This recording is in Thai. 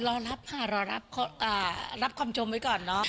รอรับค่ะรอรับคำชมไว้ก่อนเนอะ